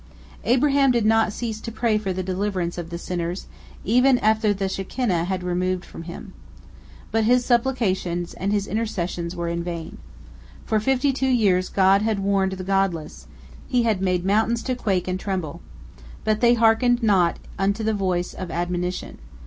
Abraham did not cease to pray for the deliverance of the sinners even after the Shekinah had removed from him. But his supplications and his intercessions were in vain. For fifty two years God had warned the godless; He had made mountains to quake and tremble. But they hearkened not unto the voice of admonition.